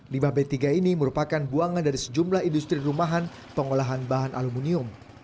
limbah b tiga ini merupakan buangan dari sejumlah industri rumahan pengolahan bahan aluminium